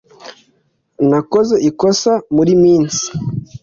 nakoze ikosa muriminsi